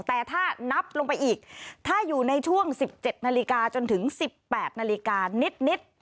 แต่ถ้านับลงไปอีกถ้าอยู่ในช่วง๑๗นาฬิกาจนถึง๑๘นาฬิกานิด